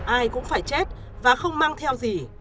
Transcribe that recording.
ai cũng phải chết và không mang theo gì